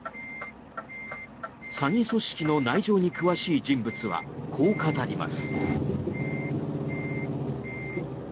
詐欺組織の内情に詳しい人物はこう語ります。